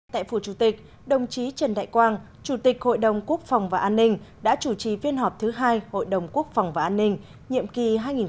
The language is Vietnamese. tại phủ chủ tịch đồng chí trần đại quang chủ tịch hội đồng quốc phòng và an ninh đã chủ trì phiên họp thứ hai hội đồng quốc phòng và an ninh nhiệm kỳ hai nghìn một mươi sáu hai nghìn hai mươi